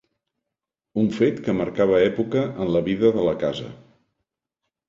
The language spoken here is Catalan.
Un fet que marcava època en la vida de la casa